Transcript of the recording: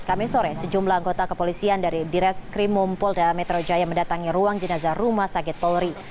kami sore sejumlah anggota kepolisian dari direskrimum polda metro jaya mendatangi ruang jenazah rumah sakit polri